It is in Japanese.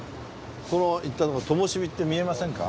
この行ったとこ「ともしび」って見えませんか？